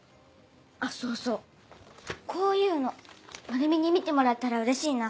あっそうそうこういうのまるみに見てもらえたらうれしいな。